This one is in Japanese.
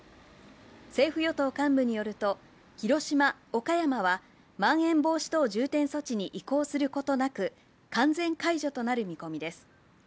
政府・与党幹部によると、広島、岡山は、まん延防止等重点措置に移行することなく、完全解除となる見込みです。